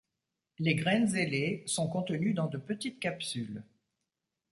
Les graines ailées sont contenues dans de petites capsules.